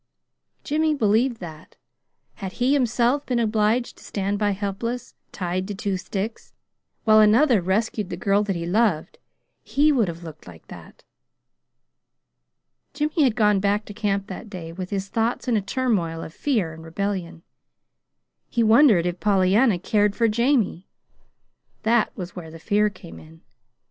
Jimmy believed that, had he himself been obliged to stand by helpless, "tied to two sticks," while another rescued the girl that he loved, he would have looked like that. Jimmy had gone back to camp that day with his thoughts in a turmoil of fear and rebellion. He wondered if Pollyanna cared for Jamie; that was where the fear came in.